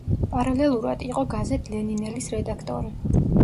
პარალელურად, იყო გაზეთ „ლენინელის“ რედაქტორი.